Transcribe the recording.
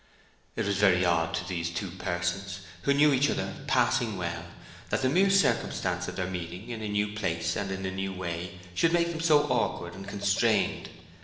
It was very odd to these two persons, who knew each other passing well, that the mere circumstance of their meeting in a new place and in a new way should make them so awkward and constrained.